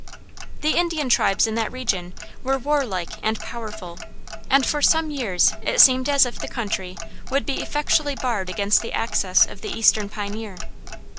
The Indian tribes in that region were warlike and powerful, and for some years it seemed as if the country would be effectually barred against the access of the Eastern pioneer.